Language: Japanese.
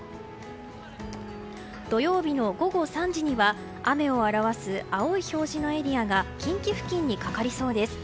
土曜日の午後３時には雨を表す青い表示のエリアが近畿付近にかかりそうです。